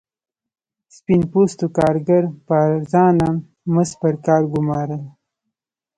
سپین پوستو کارګر په ارزانه مزد پر کار ګومارل.